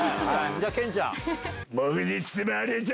じゃあ健ちゃん。